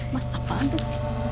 mas apaan tuh